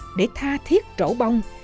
có riêng một mùa để tha thiết trổ bông